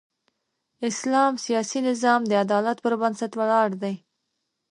اسلام سیاسي نظام د عدالت پر بنسټ ولاړ دی.